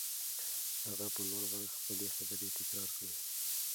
هغه په لوړ غږ خپلې خبرې تکرار کړې.